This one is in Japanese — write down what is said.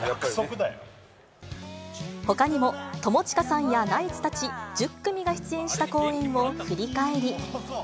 ほかにも、友近さんやナイツたち１０組が出演した公演を振り返り。